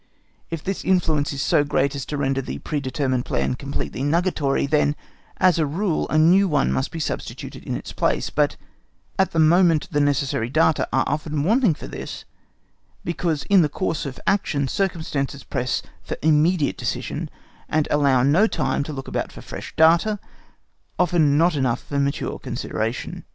If this influence is so great as to render the pre determined plan completely nugatory, then, as a rule, a new one must be substituted in its place; but at the moment the necessary data are often wanting for this, because in the course of action circumstances press for immediate decision, and allow no time to look about for fresh data, often not enough for mature consideration.